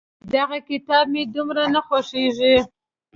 دغه کتاب مې دومره نه خوښېږي.